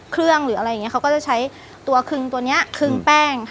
หรืออะไรอย่างนี้เขาก็จะใช้ตัวคึงตัวนี้คึงแป้งค่ะ